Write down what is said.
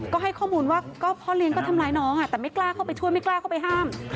ก็ให้ข้อมูลว่าก็พ่อเลี้ยงก็ทำร้ายน้องแต่ไม่กล้าเข้าไปช่วยไม่กล้าเข้าไปห้าม